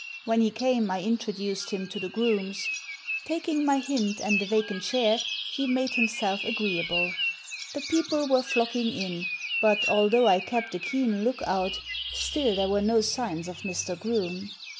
When he came I introduced him to the Groomes. Taking my hint, and a vacant chair, he made him self agreeable. The people were flocking in, but, although I kept a keen look out, still there were no signs of Mr. Groome.